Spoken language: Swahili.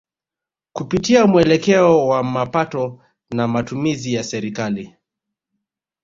Kupitia muelekeo wa mapato na matumizi ya Serikali